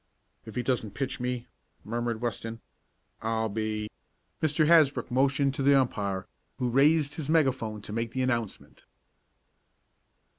"If he doesn't pitch me," murmured Weston, "I'll be " Mr. Hasbrook motioned to the umpire, who raised his megaphone to make the announcement.